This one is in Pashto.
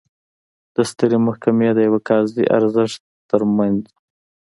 د سترې محکمې د یوه قاضي ارزښت ترمنځ و.